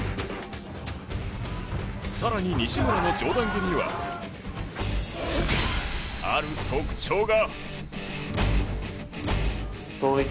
更に、西村の上段蹴りにはある特徴が。